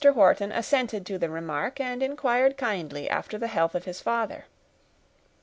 Wharton assented to the remark, and inquired kindly after the health of his father.